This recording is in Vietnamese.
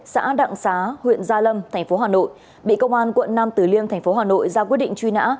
xã đặng xá huyện gia lâm tp hà nội bị công an tp nam tử liêm tp hà nội ra quyết định truy nã